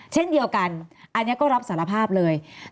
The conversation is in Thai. เช่นเดียวกันอันนี้ก็รับสารภาพเลย